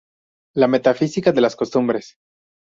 La Metafísica de las Costumbres